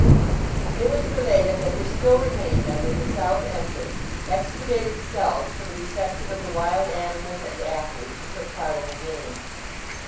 It was related that there still remained under the south entrance excavated cells for the reception of the wild animals and athletes who took part in the games.